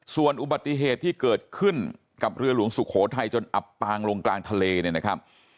ส่วนอุบัติเหตุที่เกิดขึ้นกับเรือหลวงสุโขทัยจนอับปางลงกลางทะเลเนี่ยนะครับ